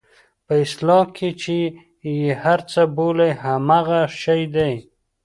په اصطلاح کې چې یې هر څه بولئ همغه شی دی.